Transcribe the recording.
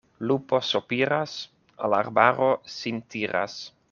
Lupo sopiras, al arbaro sin tiras.